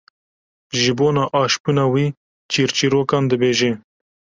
ji bona aşbûna wî çîrçîrokan dibêje.